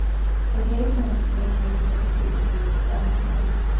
El diario es uno de los primeros medios noticiosos dominicanos en la Red.